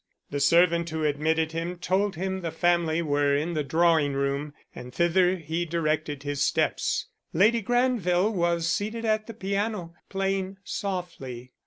The servant who admitted him told him the family were in the drawing room, and thither he directed his steps. Lady Granville was seated at the piano, playing softly.